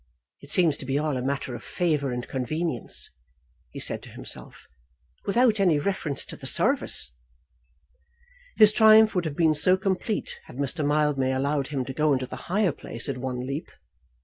"It seems to be all a matter of favour and convenience," he said to himself, "without any reference to the service." His triumph would have been so complete had Mr. Mildmay allowed him to go into the higher place at one leap.